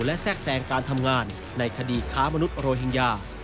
และแทรกแทรงการทำงานในคดีค้ามนุษย์โรฮิงญา